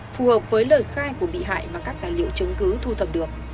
phù hợp với lời khai của bị hại mà các tài liệu chứng cứ thu thập được